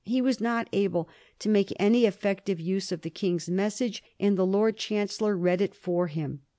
He was not able to make any effective use of the King's message, and the Lord Chancellor read it for him.